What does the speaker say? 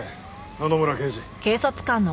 野々村刑事。